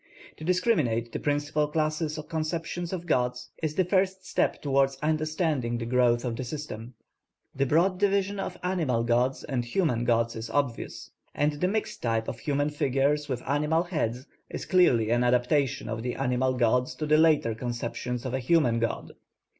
To discriminate the principal classes of conceptions of gods is the first step toward understanding the growth of the systems. The broad division of animal gods and human gods is obvious; and the mixed type of human figures with animal heads is clearly an adaptation of the animal gods to the later conceptions of a human god.